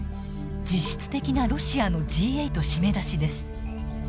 実質的なロシアのＧ８締め出しです。